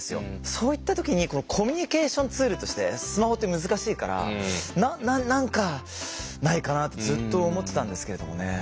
そういった時にコミュニケーションツールとしてスマホって難しいから何かないかなってずっと思ってたんですけれどもね。